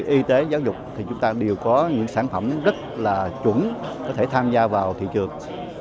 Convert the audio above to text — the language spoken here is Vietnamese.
y tế giáo dục thì chúng ta đều có những sản phẩm rất là chuẩn có thể tham gia vào thị trường